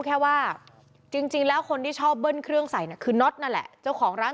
แค่ว่าจริงแล้วคนที่ชอบเบิ้ลเครื่องใส่น่ะคือน็อตนั่นแหละเจ้าของร้าน